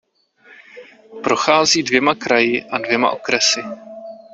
Prochází dvěma kraji a dvěma okresy.